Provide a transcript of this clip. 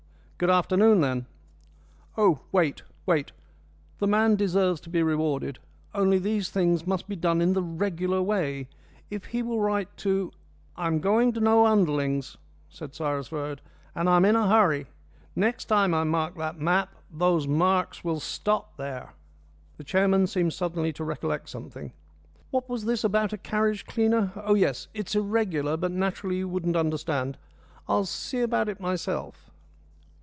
Good afternoon, then." "Oh, wait, wait! The man deserves to be rewarded, only these things must be done in the regular way. If he will write to " "I'm going to no underlings," said Cyrus Verd, "and I'm in a hurry. Next time I mark that map, those marks will stop there!" The chairman seemed suddenly to recollect something. "What was this about a carriage cleaner? Oh, yes, it's irregular; but naturally you wouldn't understand. I'll see about it myself."